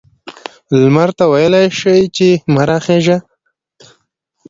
لمر ته ویلای شي چې مه را خیژه؟